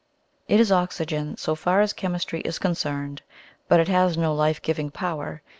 It is oxygen, so far as chemistry is concerned, but it has no life giving power.